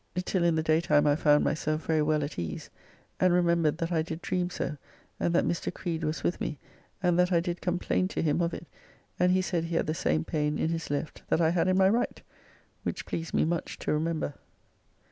Till in the daytime I found myself very well at ease, and remembered that I did dream so, and that Mr. Creed was with me, and that I did complain to him of it, and he said he had the same pain in his left that I had in my right... which pleased me much to remember.